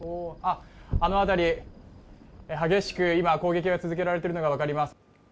激しく今攻撃が続けられているのが分かります